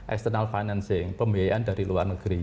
external financing pembiayaan dari luar negeri